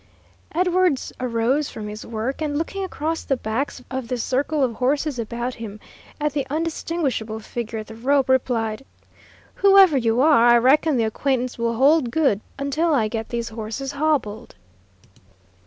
Edwards arose from his work, and looking across the backs of the circle of horses about him, at the undistinguishable figure at the rope, replied, "Whoever you are, I reckon the acquaintance will hold good until I get these horses hobbled."